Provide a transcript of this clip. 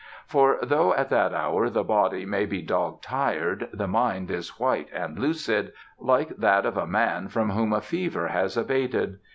For though at that hour the body may be dog tired, the mind is white and lucid, like that of a man from whom a fever has abated.